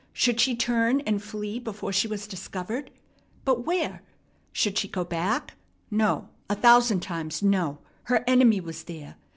Should she turn and flee before she was discovered? But where? Should she go back? No, a thousand times, no! Her enemy was there.